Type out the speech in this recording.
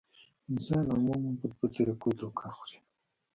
انسان عموماً پۀ دوه طريقو دوکه خوري -